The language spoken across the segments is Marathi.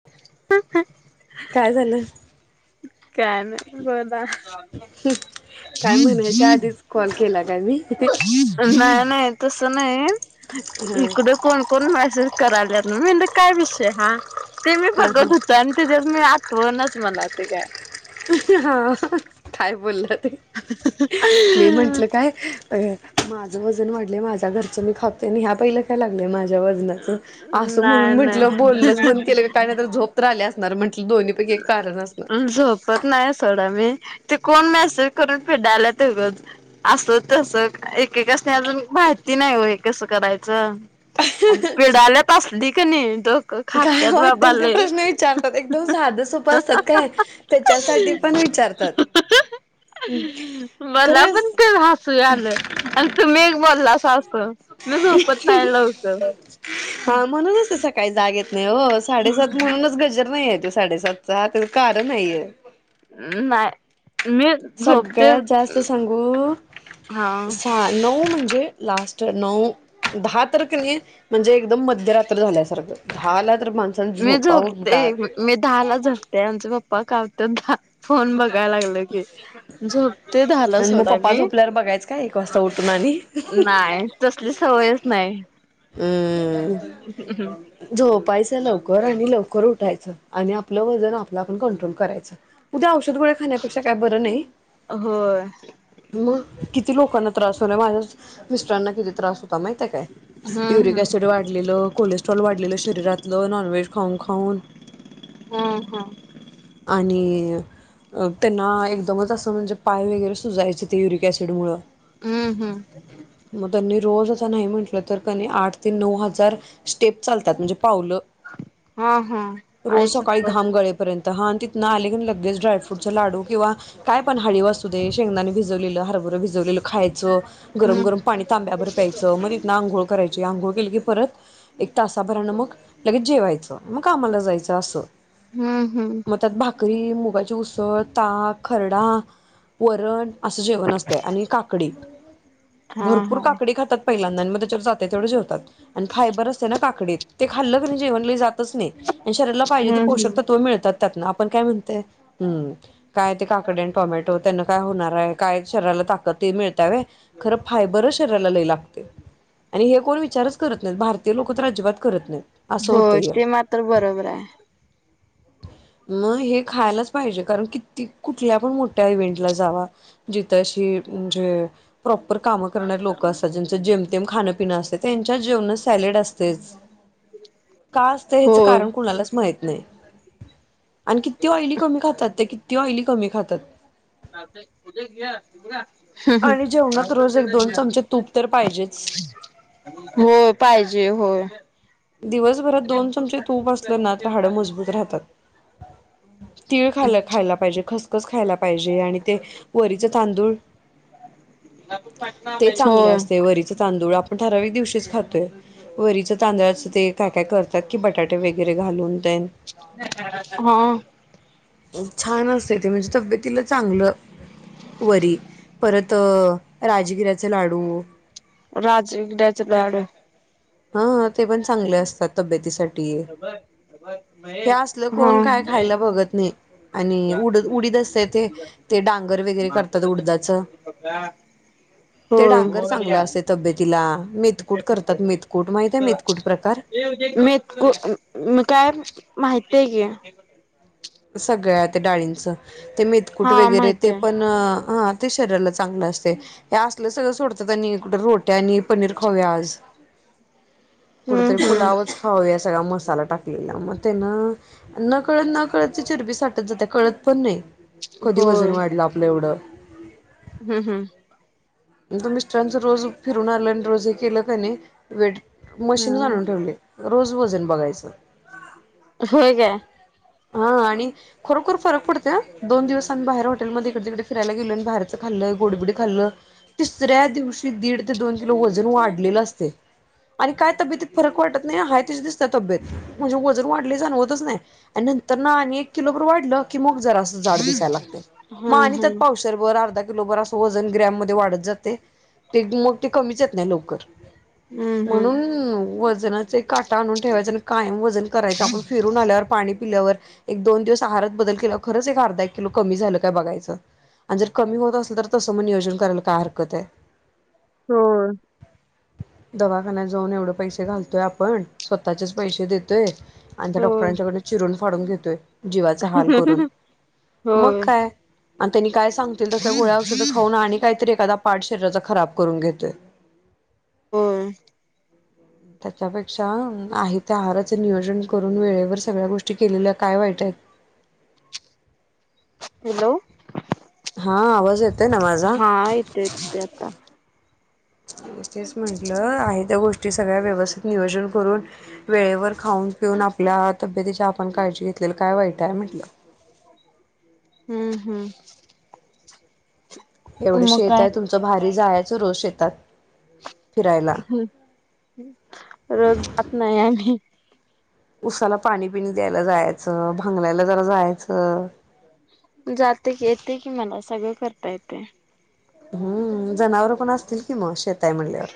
[unintelligible] काय झालं? काय नाही बोला. काय म्हणायच्या आधीच कॉल केला का मी? नाही नाही तस हा नाही इकडं कोण कोण मेसेज कराल्यात, मी म्हटल काय विषय हा ते मी हा बघत होतो आणि तेच्यात मी आठवनाच मला ते काय. हा काय बोललं ते मी म्हंटलं काय. हे माझं वजन वाढलय, माझ्या घरचं मी खातोय, आणि ह्या बाईला काय लागलय माझ्या वजनाच, अस नाही म्हणून म्हटलं नाही बोलणच बंद केलं काही नाही तर झोप तर आली असणार म्हटल दोन्ही अ झोप. फोत नाही सोडा मी, ते कोण मेसेज करत पिडाल्यात गत. असं तसं एकेकासनी, अजून माहिती नही ओ, हे कसं करायचं? आणि पिडाल्यात असली कणी [unintelligible] काय बाबा वाटल ते लय प्रश्न विचारतात, एकदम साधं सोप प असतात काय, त्याच्यासाठी पण विचारतात. मला खरंच पण काय हसू आल. तुम्ही एक बोलासा अस मी झोपत नाही लवकर. हां, म्हणूनच सकाळी जाग येत नाही ओ, साडेसात म्हणूनच गजर नही याच्यात. साडे सातचा त्याच कारण हाय य. नाय मी. झोपते सगळ्यात जास्त सांगू, हा सा, नऊ म्हणजे लास्ट नऊ, दहा तर कणी म्हणजे एकदम मध्यरात्र झाल्यासारखं, दहाला तर माणसान झोपाव कुठं दहा ला झोपतेय, आमचा पप्पा कावत्यात [unintelligible] फोन बघायला लागल की, झोपतेय दहा ला, आणि मग सोडा पप्पा मी. झोपल्यावर बघायचं काय एक वाजता उठून आणि नाय, तसली सवयच नाय. हम्म, झोपायचं लवकर आणि लवकर उठायचं. आणि आपलं वजन, आपलं आपण, कंट्रोल करायचं, उद्या औषध गोळ्या खाण्यापेक्षा काय बरं नही. होय म किती लोकांना त्रास होलाय, माझ्या च मिस्टरांना किती त्रास होता, माहितीये काय? युरिक हम्म ऍसिड वाढलेलं, कोलेस्ट्रॉल वाढलेलं शरीरातलं, नॉनव्हेज खाऊन खाऊन. हम्म ह्म. आणि त्यांना, एकदमच असं, म्हणजे पाय वगैरे सुजायचें, ते युरिक ऍसिड मुळं. हम्म हम्म. म त्यांनी रोज असं नाही म्हटलंत तर क नाई, आठ ते नऊ हजार, स्टेप चालतात, म्हणजे पावलं. हा हा आई रोज सकाळी शपथ घाम गळे पर्यंत हं तिथंन आले की लगेच ड्रायफ्रूटचा लाडू किंवा काय पण हळीव असू दे, शेंगदाने भिजवलेलं, हरभरं भिजवलेलं खायचं, हम्म गरम-गरम पाणी तांब्याभर प्यायचं, मदी ना आंघोळ करायची, आंघोळ केली की परत, एक तासाभरानं मग लगेच जेवायचं. म कामला जायचं असं, हम्म हम्म मग त्यात भा करी, मुगाचे उसळ, ताक, खरडा, वरण असं जेवण असतया आणि काकडी, हा भरपूर हा काकडी खातात पहिल्यांदा, म त्याच्यावर जाते तेवढ जेवतात आणि फायबर असते ना काकडीत, ते खाल्लं क नीं जेवण लई जातच नही. आणि शरीराला पाहिजे, ते हम्म पोषक हम्म तत्व मिळतात. आपण काय म्हणतय, हम्म काय ते काकडी न टोमॅटो त्यांन काय होणार हाय? काय शरीराला ताकद ते मिळत व्हय, खरं फायबरच शरीराला लई लागतय. आणि हे कोण विचारच करत नहीत, भारतीय लोकं तर अजिबात करत नहीत. हो, ते मात्र बरोबर हाय. [inaudible] म हे खायलाच पाहिजे, कारण किती, कुठल्या पण मोठ्या इव्हेंटला जावा जिथ अशी, म्हणजे प्रॉपर कामं करणारे लोकं असतात, ज जेम तेम खांनपिण असत, त्यांच्या जेवनात सॅलेड असतेच. का असतं, ह्याच होय कारण कुणालाच माहित नाही. आणि किती ऑइली कमी खातात ते. किती ऑइली कमी खातात. ह ते उद्या ग आणि जेवणात रोज एक दोन चमचे तूप तर पाहिजेच. [unintelligible] [unintelligible] हो पाहिजे होय. दिवसभरात दोन चमचे तूप असलं ना, तरहाडं मजबूत राहतात. तिळ खा खायला पाहिजे. खस खस खायला पाहिजे. आणि ते वरीचं तांदूळ ते चांगलं होय असतेय वरीच तांदूळ. आपण ठरावीक दिवशीच खातोय. वरीचं तांदळाचं ते काय काय करतात की, बटाटे वगैरे घालून त्यान. ह. छान असते ते. म्हणजे तब्येतीला चांगलं. वरी. परत राजगिऱ्याचे लाडू. राजगिऱ्याचे लाडू. ह, ते पण चांगले असतात. तब्येतीसाठी. हे असलं हा कोण काय खायला बघत नाही. आणि उड उडीद असत ते. ते डांगर वगैरे करतात उडदाचं. ते डांगर होय. चांगलं असते तब्येतीला मेतकूट करतात. मेत मेतकु मे काय माहितेय की. सगळ्या त्या डाळींचं. ते मेथकूट हा वगैरे माहित ते आहे पण ह ते शरीराला चांगलं असतेय. हे असलं सगळं सोडतात. आणि कुठं रोट्या आणि पनीर खाऊया आज. कुठतरी हम्म हम्म पुुलावच खाउया सगळा मसाला टाकलेला. म त्यानं नकळत नकळत चिरबी साठत जाते. कळत पण नाही. कधी होय वजन वाढलं आपलं एवढं. हम्म हम्म. म तो मिस्टरांच रोज फिरून आलं आणि रोज हे केलं का नाही वेट मशीन हम्म आणुन ठेवलय. रोज वजन बघायचं. होय काय? हा आणि खरोखर फरक पडते अ. दोन दिवस आम्ही बाहेर हॉटेलमध्ये इकडे तिकडे फिरायला गेलो. बाहेरच खाल्लं. गोडीबीडी खाल्लं तिसऱ्या दिवशी दीड ते दोन किलो वजन वाढलेलं असतय. आणि काय तब्यतीत फरक वाटत नाही. हाय तशीच दिसते तब्येत. म्हणजे वजन वाढलय जाणवतच नाय. आणि नंतर ना आणि एक किलो भर वाढलं की मग जरा असं जाड दिसायला लागते. मग हम्म आणि त्यात हम्म पावशे भर अर्धा किलोर भर असं वजन ग्रॅममध्ये वाढत जात. ते. ते मग कमीच येत नाही लवकर. हम्म हम्म म्हणून वज चा एक काटा आणून ठेवायचा. आणि कायम वजन करायचं. आपण फिरून आल्यावर. पाणी पिल्यावर. एक दोन दिवस आहारात बदल केला वर. खरंच एक अर्धा एक किलो कमी झालं काय बघायचं. आणि जर कमी होत असल त. तसं मग नियोजन करायला काय हारकत आहे. हो. ह [inaudible] दवाखान्यात जाऊन एवढं पैसे घालतोय आपण. स्वतःचेच पैसे देतोय. आणि त्या होय डॉक्टरांच्याकडन चिरून फाडून घेतोय. जीवाचा हाल करून. मग होय काय? आणि त्यांनी काय सांगतील तसल्या गोळ्या औषधं खाऊन. आणि काहीतरी एखादा पार्ट शरीराचा खराब करून घेतोय. होय. ह [unintelligible] त्याच्यापेक्षा आहे त्या आहाराच नियोजन करून वेळेवर सगळ्या गोष्टी केलेल्या काय वाईट आहेत. हॅलो हा आवाज येतोय ना माझा हा येतो येतो आता तेच म्हंटलं आहे त्या गोष्टी सगळ्या व्यवस्थित नियोजन करून वेळेवर खाऊन पिऊन आपल्या तब्येतीची आपण काळजी घेतलेली काय वाईट आहे म्हटलं हम्म हम्म एवढ मग शेत काय आहे तुमच भारी जायाच रोज शेतात फिरायला. हम्म रोज जात नाही आम्ही उसाला पाणी बीणी द्यायला जायांचं. भांगलायला जरा जायांचं. जातोय की येतय की मला सगळं करता येतय. हम्म जनावर पण असतील कि मग शेत आहे म्हणल्यावर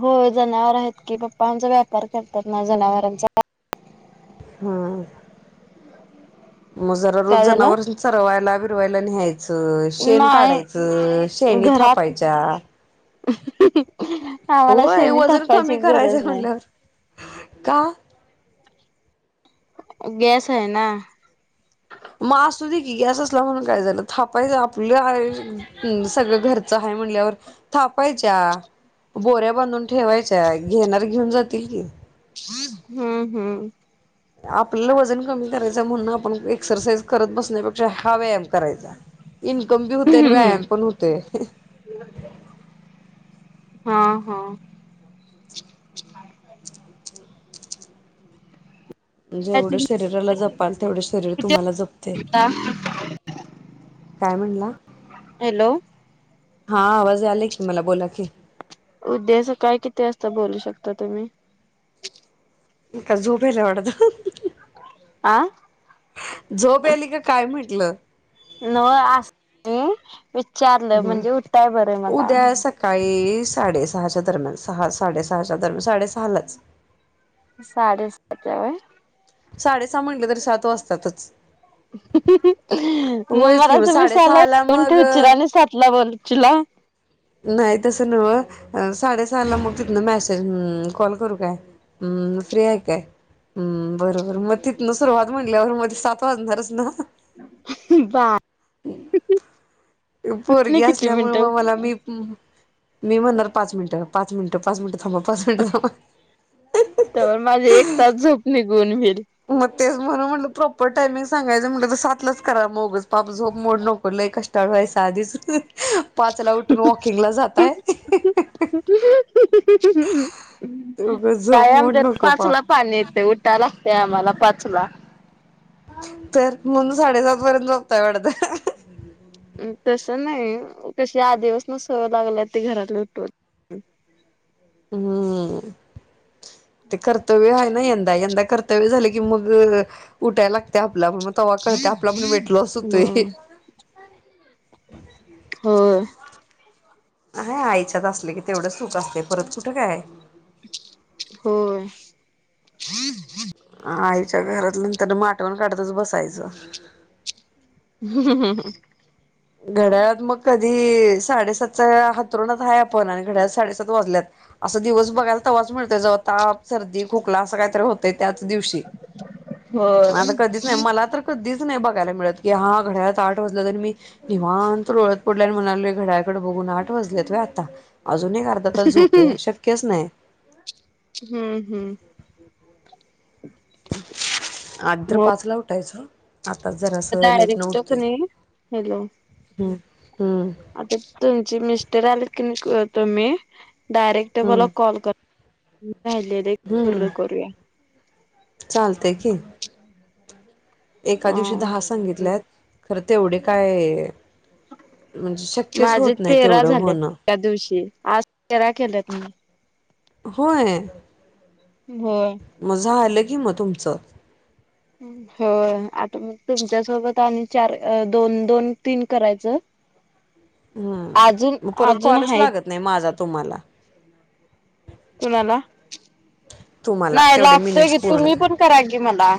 होय जनावर आहेत की पप्पा आमच व्यापार करतात ना जनावरांचा हा हा मग जरा रोज काय झाला? जनावरासनी चरवायला बिरवायला न्हाय च शेण नाही काढायचं शेणी घरात थापायच्या. आम्हाला व्हय शेणी वजन थापायची कमी करायचं गरज हाय नाही. म्हणल्यावर का? गॅस आहे ना म असू दे की गॅस असला म्हणून काय झालं थापायचं आपल हाय हम् सगळं घरचं हाय म्हणल्यावर थापायच्या बोऱ्या बांधून ठेवायच्या घेणार घेऊन जातील की हम्म हम्म आपल वजन कमी करायच म्हणुन आपण एक्सरसाइज करत बसण्या हा व्यायाम करायचा इन्कम बी होतय आणि हम्म व्यायाम पण होतेय. हा हा जेवढ किती शरीराला जपाल तेवढ शरीर तुम्हाला जपतय. वाजता काय म्हणला हॅलो हा आवाज यांलाय की मला बोला की उद्याचा काय किती वाजता बोलु शकता तुम्ही का झोप याल्या वाटत. आं. झोप यायलीय का काय म्हटलं. नव असुदी विचारलं म्हणजे उटाय बरं मला. काही साडे सहाच्या दरम्यान सहा साडे सहाच्या दरम्यान साडे सहालाच साडे सहाच्या व्हय साडेसहा म्हटल तरी सात वाजत्यातच. मग होयच कि मला मग तुमी सहाला साडेसहाला उठवून मग ठेवचीला आणि सातला बोलचीला. नाही तसं न्हव. साडेसहाला मग तिथन मॅसेज कॉल करू काय हम्म. फ्री हाय काय? हम्म बरोबर मग तिथन सुरुवात म्हटल्यावर मध्ये सात वाजणारच नव्ह बा आणि पोरगी किती असल्यामुळ मिनिटं मग मला बी हम्म मी म्हणणार पाच मिनटं पाच मिनिटं पाच मिनटं थांबा पाच मिनिटं थांबा तवर माजी एक तास झोप निघून व्हील. मग तेच म्हणून म्हटलं प्रॉपर टायमिंग सांगायचं म्हटलं तर, सातलाच करा मगच पाप झोप मोड नको लय कष्ट [unintelligible] आधीच पाचला उठून वॉकिंगला जाताय. ह्ह्हमम ह्हणं, उगच झोप काय मोड आमच्यात नको पाप पाचला पाणी येतय, उठाय लागतय, आम्हाला पाचला. तर, म्हणून साडेसात पर्यंत झोपताय वाटत. तसं नही, कशी आदिपासनच सवय लागली, ते घरातले उठवत हम्म. ते कर्तव्य हायना यंदा, यंदा कर्तव्य झाले की, मग उठाय लाग त आपलपण, म तवा कळत, आपला पण वेट लॉस होतोय. हम्म होय. हां, आईच्यात असले की, तेवढं सुख असते, परत कुठं काय? होय. आईच्या घरात नंतर म आटवण काढतच बसायचं. हं हं हं. घड्याळात मग कधी, साडेसातचा आतरूणात हाय आपण आणि घड्याळात साडेसात वाजल्यात. असं दिवस बघायला तवाच मिळतोय, जवा ताप, सर्दी, खोकला असं काहीतर होत य त्याच दिवशी, होय. म आता कधीच नही, मला तर कधीच नाही बघायला मिळत, की हां घड्याळात आठ वाजल्यात, अन् मी निवांत लोळत पडल्या आणि म्हणायलोय घड्याळाकड बघून, आठ वाजल्यात, व्हय आता, अजून अर्धा तास झोपूया, शक्यच नाय. हम्म हम्म. आदी तर मग पाचला, उठायच. आताच जरास लेट न डायरेक्ट उठतेय, कणी हॅलो हम् हम्म. आता तुमचे मिस्टर आलेत की, तुम्ही डायरेक्ट मला हम्म कॉल कर राहिलेले, हम्म. पूर्ण करूया. चालतय की. एका अ दिवशी दहा सांगितल्यात, खरं तेवढे काय? म्हणजे शक्यच माझे होत नाही, तेरा तेवढं झालेत होणं. त्या दिवशी, आज तेरा केल्यात मी. होय. हो. म झालं की, म तुमचं. होय, आता मग तुमच्यासोबत आणि चार अं दोन-दोन, तीन करायचं. हम्म, अजून म परत अजून कॉलच आहेत लागत नही, माझा तुम्हाला. कुणाला? तुम्हाला नाही तेवढे लागतोय मिनिट्स की, पूर्ण तुम्ही झाले पण करा की मला.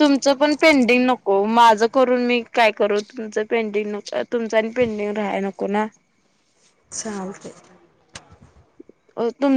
तुमचं पण पेंडिंग नको, माझं करून मी काय करू? तुमचं पेंडिंग न त्यात तुमचा अन पेंडिंग राहाय, नको ना. चालतंय. अं तुम